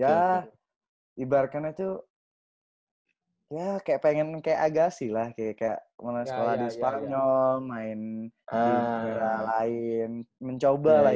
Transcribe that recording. ya ibarkena tuh ya kayak pengen kayak agassi lah kayak mulai sekolah di sparnyol main di negara lain mencoba lah